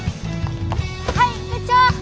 はい部長！